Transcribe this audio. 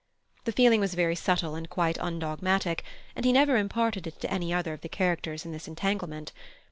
The feeling was very subtle and quite undogmatic, and he never imparted it to any other of the characters in this entanglement.